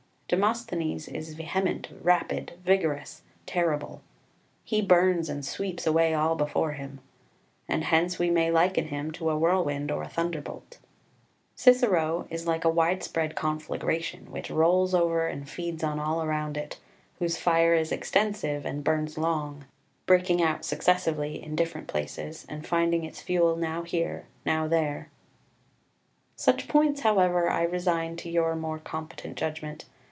Demosthenes is vehement, rapid, vigorous, terrible; he burns and sweeps away all before him; and hence we may liken him to a whirlwind or a thunderbolt: Cicero is like a widespread conflagration, which rolls over and feeds on all around it, whose fire is extensive and burns long, breaking out successively in different places, and finding its fuel now here, now there. 5 Such points, however, I resign to your more competent judgment.